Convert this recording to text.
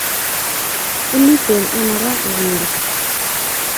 Imiten ano raa ooh weri